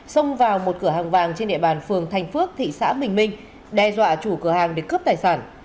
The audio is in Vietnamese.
xông vào một cửa hàng vàng trên địa bàn phường thành phước thị xã bình minh đe dọa chủ cửa hàng để cướp tài sản